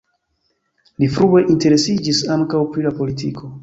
Li frue interesiĝis ankaŭ pri la politiko.